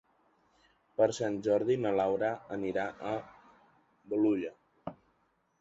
Per Sant Jordi na Laura anirà a Bolulla.